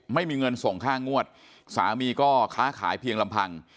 ไม่มีเงินส่งค่างวดสามีก็ค้าขายเพียงลำพัง